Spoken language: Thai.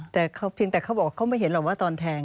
แต่เพียงแต่เขาบอกเขาไม่เห็นหรอกว่าตอนแทง